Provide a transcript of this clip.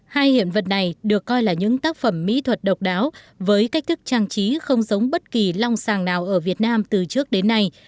hai hiện vật này được coi là những tác phẩm mỹ thuật độc đáo với cách thức trang trí không giống bất kỳ long sàng nào ở việt nam từ trước đến nay